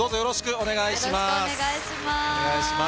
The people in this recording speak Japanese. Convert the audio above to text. お願いします。